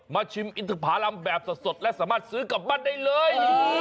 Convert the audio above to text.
ชิมอินทภารำแบบสดและสามารถซื้อกลับบ้านได้เลย